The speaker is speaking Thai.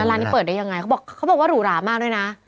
แล้วร้านนี้เปิดได้ยังไงเขาบอกว่าหรูหรามากด้วยนะ